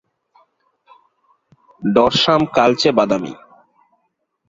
Dorsum কালচে বাদামি।